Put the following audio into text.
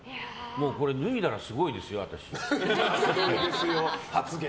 脱いだらすごいですよ、私。